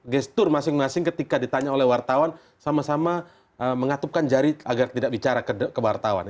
gestur masing masing ketika ditanya oleh wartawan sama sama mengatupkan jari agar tidak bicara ke wartawan